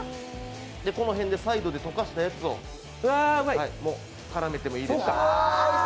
この辺で、サイドで溶かしたやつを絡めてもいいですし。